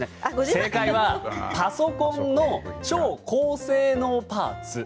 正解はパソコンの超高性能パーツ。